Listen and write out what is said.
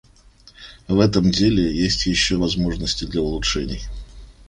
В этом деле есть еще возможности для улучшений.